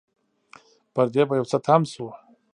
پر دې به يو څه تم شو.